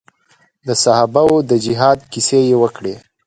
د صحابه وو د جهاد کيسې يې وکړې.